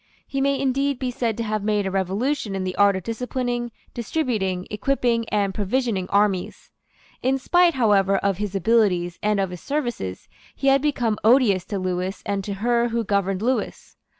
He may indeed be said to have made a revolution in the art of disciplining, distributing, equipping and provisioning armies. In spite, however, of his abilities and of his services, he had become odious to Lewis and to her who governed Lewis.